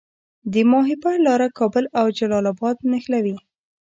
د ماهیپر لاره کابل او جلال اباد نښلوي